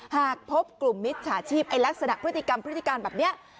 หากพบกลุ่มมิจฉาชีพลักษณะพฤติกรรมพฤติการแบบนี้